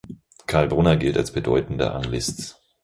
Karl Brunner gilt als bedeutender Anglist.